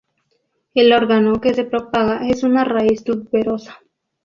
El órgano que se propaga es una raíz tuberosa.